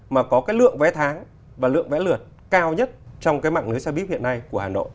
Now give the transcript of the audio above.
mà có cái lượng vé tháng và lượng vé lượt cao nhất trong cái mạng lưới xe buýt hiện nay của hà nội